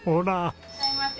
いらっしゃいませ。